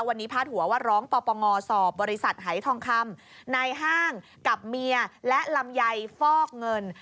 วันนี้พาดหัวว่าร้องปปงสอบบริษัทหายทองคำในห้างกับเมียและลำไยฟอกเงิน